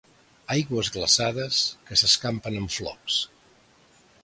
Aigües glaçades que s'escampen en flocs.